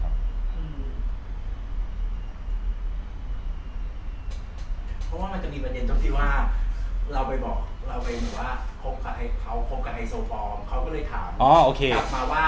เพราะว่ามันจะมีปัญญาณต้องที่ว่าเราไปบอกเราไปเหมือนว่าเขาคบกับไฮโซฟอร์มเขาก็เลยถาม